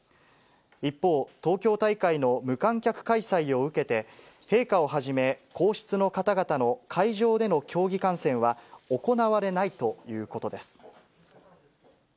一方、東京大会の無観客開催を受けて、陛下をはじめ、皇室の方々の会場での競技観戦は行われないということです。